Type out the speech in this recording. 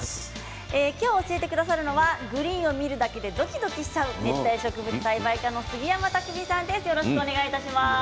今日教えてくださるのはグリーンを見るだけでどきどきしちゃう熱帯植物栽培家の杉山拓巳さんです。